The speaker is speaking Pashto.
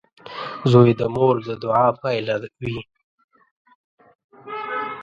• زوی د مور د دعا پایله وي.